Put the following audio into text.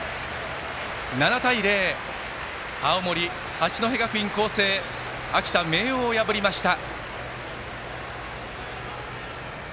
７対０で青森・八戸学院光星が秋田・明桜を破りました。